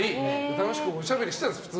楽しくおしゃべりしてたんです。